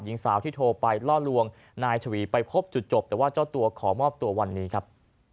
หญิงสาวที่โทรไปล่อลวงนายชวีไปพบจุดจบแต่ว่าเจ้าตัวขอมอบตัววันนี้ครับ